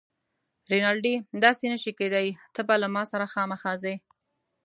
رینالډي: داسې نه شي کیدای، ته به له ما سره خامخا ځې.